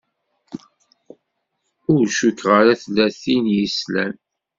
Ur cukkeɣ ara tella tin i s-yeslan.